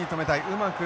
うまく。